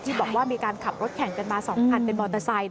ที่บอกว่ามีการขับรถแขนกันมา๒คันเป็นบอร์เตอร์ไซน์